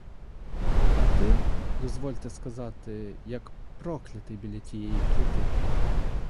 А ти, дозвольте сказати, як проклятий біля тієї плити.